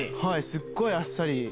すっごいあっさり。